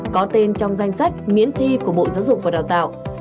có tên trong danh sách miễn thi của bộ giáo dục và đào tạo